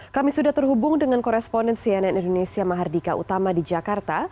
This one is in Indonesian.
kami sudah terhubung dengan koresponden cnn indonesia mahardika utama di jakarta